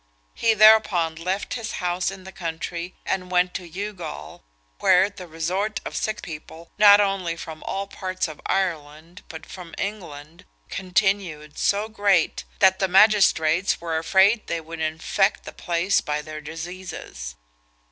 He thereupon left his house in the country, and went to Youghal, where the resort of sick people, not only from all parts of Ireland, but from England, continued so great, that the magistrates were afraid they would infect the place by their diseases.